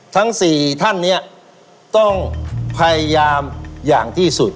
ทั้ง๔ท่านเนี่ยต้องพยายามอย่างที่สุด